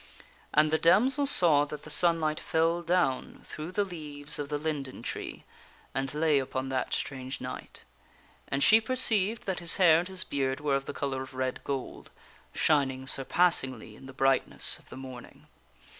And the damsel saw that the at the fountain. sunlight fell down through the leaves of the linden tree and lay upon that strange knight. And she perceived that his hair and his beard were of the color of red gold shining surpassingly in the bright ness of the morning.